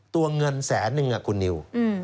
ตัวเงินแสนนึงคุณนิว